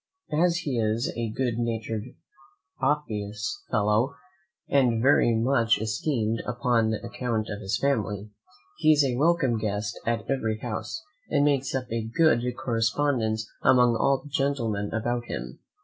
As he is a good natur'd officious fellow, and very much esteem'd upon account of his family, he is a welcome guest at every house, and keeps up a good correspondence among all the gentlemen about him.